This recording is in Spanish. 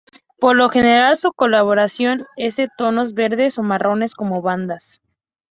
Por lo general su coloración ese de tonos verdes o marrones con bandas.